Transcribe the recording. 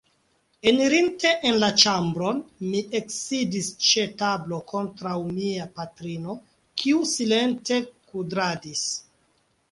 Enirinte en la ĉambron, mi eksidis ĉe tablo kontraŭ mia patrino, kiu silente kudradis.